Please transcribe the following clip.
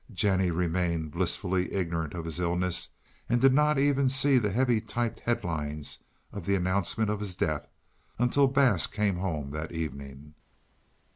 Jennie remained blissfully ignorant of his illness and did not even see the heavy typed headlines of the announcement of his death until Bass came home that evening.